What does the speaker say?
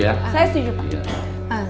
saya setuju pak